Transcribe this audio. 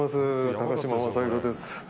高嶋政宏です。